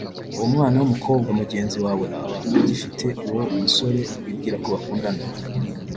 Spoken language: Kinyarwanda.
uwo mwana w’umukobwa mugenzi wawe aba agifite uwo musore wibwira ko mukundana